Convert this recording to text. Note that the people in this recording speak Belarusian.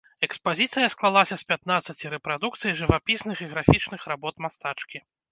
Экспазіцыя склалася з пятнаццаці рэпрадукцый жывапісных і графічных работ мастачкі.